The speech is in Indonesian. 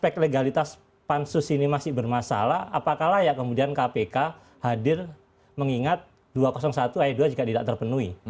aspek legalitas pansus ini masih bermasalah apakah layak kemudian kpk hadir mengingat dua ratus satu ayat dua jika tidak terpenuhi